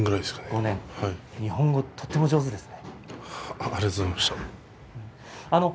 日本語とても上手ですね。